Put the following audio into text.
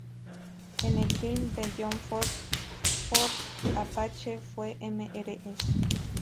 En el film de John Ford "Fort Apache" fue Mrs.